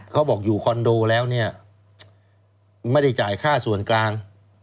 เขาบอกอยู่คอนโดแล้วเนี่ยไม่ได้จ่ายค่าส่วนกลาง